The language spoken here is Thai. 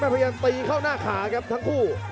พยายามตีเข้าหน้าขาครับทั้งคู่